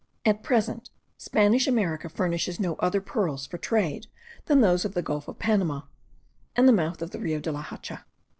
At present Spanish America furnishes no other pearls for trade than those of the gulf of Panama, and the mouth of the Rio de la Hacha.